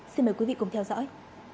xin mời quý vị cùng theo dõi